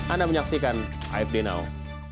anda menyaksikan afd now